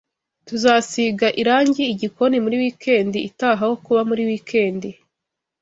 Tuzasiga irangi igikoni muri wikendi itaha aho kuba muri wikendi